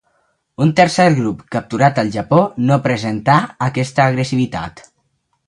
Un tercer grup capturat al Japó no presentà aquesta agressivitat.